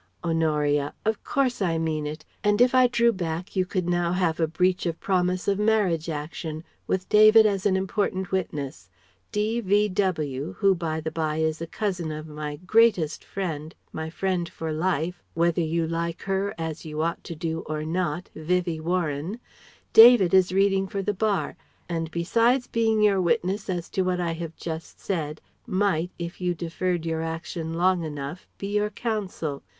Honoria: "Of course I mean it! And if I drew back you could now have a breach of promise of marriage action, with David as an important witness. D.V.W. who by the bye is a cousin of my greatest friend my friend for life, whether you like her as you ought to do or not Vivie Warren.... David is reading for the Bar; and besides being your witness to what I have just said, might if you deferred your action long enough be your Counsel....